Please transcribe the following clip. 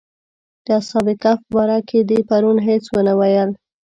د اصحاب کهف باره کې دې پرون هېڅ ونه ویل.